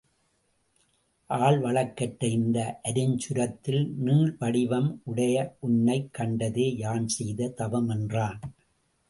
ஆள் வழக்கற்ற இந்த அருஞ்சுரத்தில் நீள் வடிவம் உடைய உன்னைக் கண்டதே யான் செய்த தவம் என்றான்.